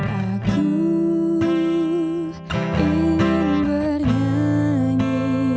aku ingin bernyanyi